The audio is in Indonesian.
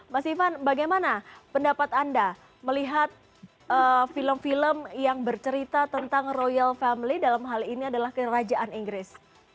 mas ivan bagaimana pendapat anda melihat film film yang bercerita tentang royal family dalam hal ini adalah kerajaan inggris